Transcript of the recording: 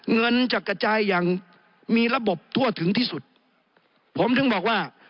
เงินจะกระจายอย่างมีระบบทั่วถึงที่สุดผมถึงบอกว่า